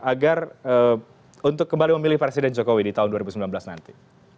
agar untuk kembali memilih presiden jokowi di tahun dua ribu sembilan belas nanti